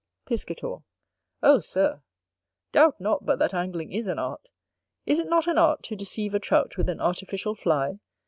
Piscator. O, Sir, doubt not but that Angling is an art; is it not an art to deceive a Trout with an artificial Fly?